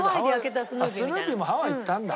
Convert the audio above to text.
スヌーピーもハワイ行ったんだ。